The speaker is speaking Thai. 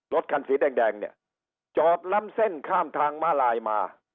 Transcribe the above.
รถคันสีแดงเนี่ยจอดล้ำเส้นข้ามทางมาลายมา